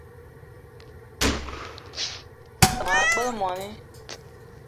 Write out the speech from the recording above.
Maa gbele moni